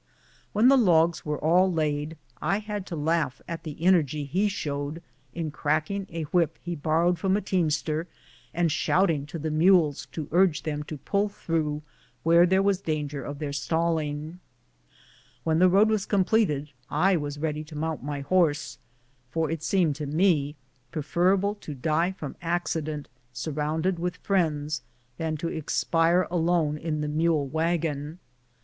When the logs were all laid, I had to laugh at the energy he showed in cracking a whip lie borrowed from a teamster, and shouting to the mules to urge them to pull through where there was dani>:er of their stallino^. When the road was completed, I was ready to mount my horse, for it seemed to me preferable to die from accident, sur rounded with friends, than to expire alone in the mule wagon.